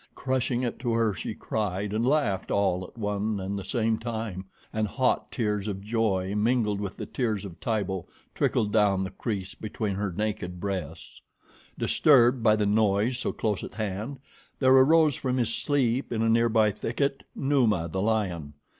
Crushing it to her, she cried and laughed all at one and the same time, and hot tears of joy, mingled with the tears of Tibo, trickled down the crease between her naked breasts. Disturbed by the noise so close at hand, there arose from his sleep in a near by thicket Numa, the lion.